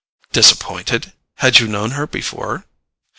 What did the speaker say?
"Disappointed? Had you known her before?"